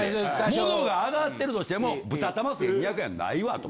物が上がってるとしても豚玉１２００円はないわと。